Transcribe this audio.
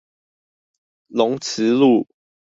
龍慈路